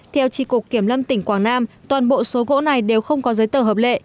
theo tri cục kiểm lâm tỉnh quảng nam toàn bộ số gỗ này đều không có giấy tờ hợp lệ